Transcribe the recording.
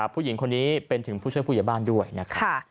ผู้หญิงคนนี้เป็นถึงผู้ช่วยผู้ใหญ่บ้านด้วยนะครับ